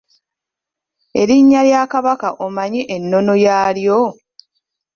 Erinnya lya Kabaka omanyi ennono yaalyo?